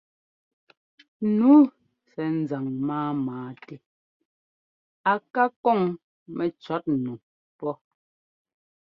Nu sɛ́ ńzaŋ máama tɛ a ká kɔŋ mɛcɔ̌tnu pɔ́́.